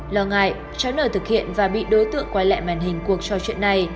lo ngại cháu nờ thực hiện và bị đối tượng quay lại màn hình cuộc trò chuyện này